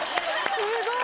・すごい！